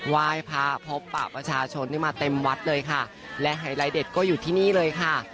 ไหว้พระพบปะประชาชนนี่มาเต็มวัดเลยค่ะและไฮไลท์เด็ดก็อยู่ที่นี่เลยค่ะ